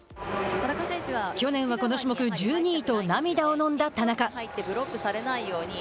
去年はこの種目１２位と涙をのんだ田中。